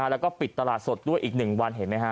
แล้วก็ปิดตลาดสดด้วยอีก๑วัน